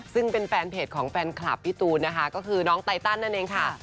ซึ่งเป็นแฟนเพจของแฟนคลับพี่ตูนนะคะก็คือน้องไตตันนั่นเองค่ะ